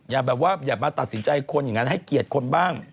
อย่ามาตัดสินใจคนอย่างนั้นให้เกียรติคนบ้าง